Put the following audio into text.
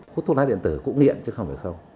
hút thuốc lá điện tử cũng nghiện chứ không phải không